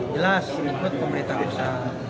jelas ikut pemerintah usaha